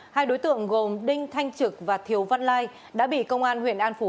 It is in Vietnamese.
hai đối tượng gồm đinh thanh trực và thiếu văn lai đã bị công an huyện an phú